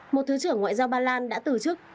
một thứ trưởng ngoại giao ba lan đã từ chức